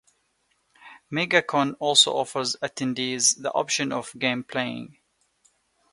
MegaCon also offers attendees the option of game playing.